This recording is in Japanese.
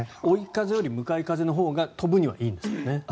追い風より向かい風のほうが飛ぶにはいいんですもんね。